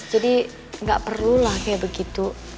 jadi nggak perlulah kayak begitu